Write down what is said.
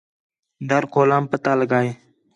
در کھولام پتہ لڳا ہِے